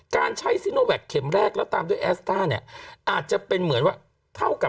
การใช้แข่งแรกแล้วตามด้วยเนี่ยอาจจะเป็นเหมือนว่าเท่ากับ